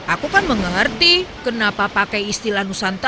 aku kan mengerti kenapa pakai istilah nusantara